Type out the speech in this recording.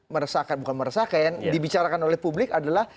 meresahkan bukan meresahkan dibicarakan oleh publik adalah